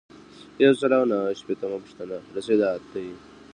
یو سل او نهه شپیتمه پوښتنه رسیدات دي.